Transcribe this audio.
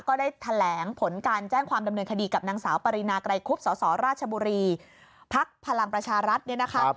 ก็ได้แถลงผลการแจ้งความดำเนินคดีกับนางสาวปรินาไกรคุบสสราชบุรีภักดิ์พลังประชารัฐเนี่ยนะคะ